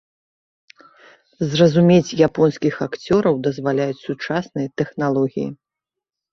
Зразумець японскіх акцёраў дазваляюць сучасныя тэхналогіі.